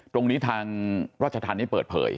ตรงนี้ทางราชธรรมนี้เปิดเผย